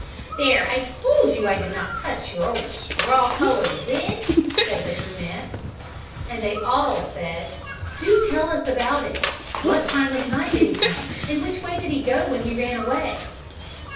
"There, I told you I did not touch your old straw colored wig!" said the brunette. And they all said, "Do tell us all about it, what time of the night did he come, and which way did he go when he ran away?"